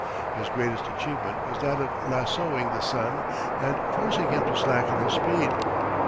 His greatest achievement was that of lassoing the sun and forcing him to slacken his speed.